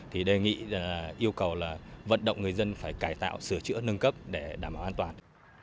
thì đề nghị yêu cầu là vận động người dân phải cải tạo sửa chữa nâng cấp để đảm bảo an toàn